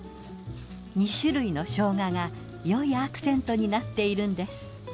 ２種類の生姜がよいアクセントになっているんです。